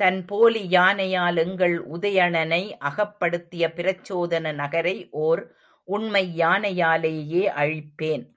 தன் போலி யானையால் எங்கள் உதயணனை அகப்படுத்திய பிரச்சோதன நகரை ஓர் உண்மை யானையாலேயே அழிப்பேன்.